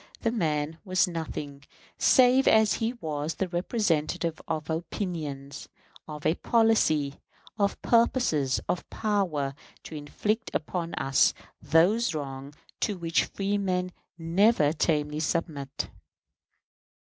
The man was nothing, save as he was the representative of opinions, of a policy, of purposes, of power, to inflict upon us those wrongs to which freemen never tamely submit.